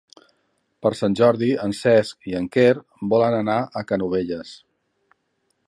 Per Sant Jordi en Cesc i en Quer volen anar a Canovelles.